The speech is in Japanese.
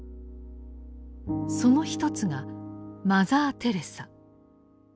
その一つがマザー・テレサ。